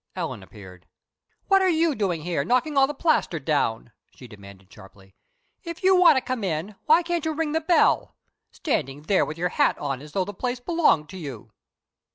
Ellen appeared. "What are you doing there, knocking all the plaster down?" she demanded, sharply. "If you want to come in, why can't you ring the bell? Standing there with your hat on as though the place belonged to you!"